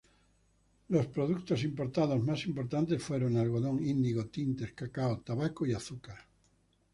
Los productos importados más importantes fueron algodón, índigo, tintes, cacao, tabaco y azúcar.